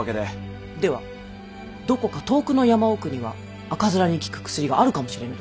ではどこか遠くの山奥には赤面に効く薬があるかもしれぬと。